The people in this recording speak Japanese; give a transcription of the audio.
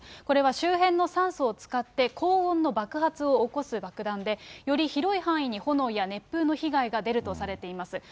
これは周辺の酸素を使って、高温の爆発を起こす爆弾で、より広い範囲に炎や熱風の被害が出るとされています。